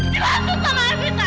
jangan tutup sama arvinda